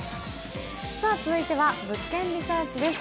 続いては「物件リサーチ」です。